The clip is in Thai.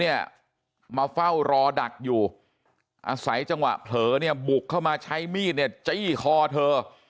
เสียใจจังหวะเผลอเนี่ยบุกเข้ามาใช้มีดเจ๊คอเธอ